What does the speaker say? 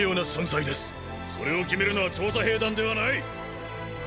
それを決めるのは調査兵団ではない！